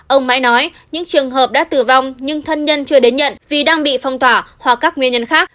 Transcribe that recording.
ông mãi nói những trường hợp đã tử vong nhưng thân nhân chưa đến nhận vì đang bị phong tỏa hoặc các nguyên nhân khác